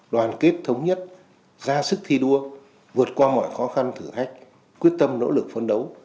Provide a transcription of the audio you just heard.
đoàn kết thống nhất ra sức thi đua vượt qua mọi khó khăn thử thách quyết tâm nỗ lực phấn đấu